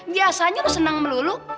biasanya lo senang melulu